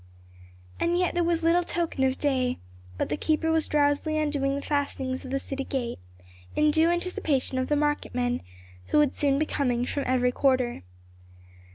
As yet there was little token of day, but the keeper was drowsily undoing the fastenings of the city gate, in due anticipation of the market men, who would soon be coming from every quarter.